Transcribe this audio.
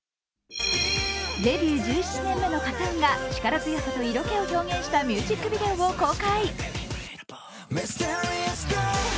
デビュー１７年目のＫＡＴ−ＴＵＮが力強さと色気を表現したミュージックビデオを公開。